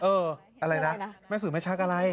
อะไรนะแม่สื่อแม่ชักอะไร